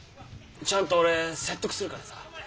ちゃんと俺説得するからさ。